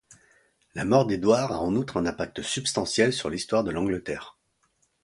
La mort d'Édouard a en outre un impact substantiel sur l'histoire de l'Angleterre.